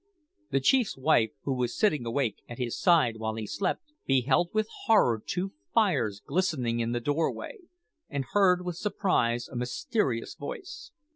The chief's wife, who was sitting awake at his side while he slept, beheld with horror two fires glistening in the doorway, and heard with surprise a mysterious voice.